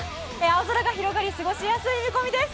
青空が広がり過ごしやすい見込みです。